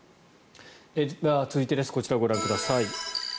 では、続いてこちらをご覧ください。